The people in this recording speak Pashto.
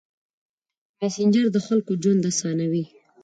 مسېنجر د خلکو ژوند اسانوي.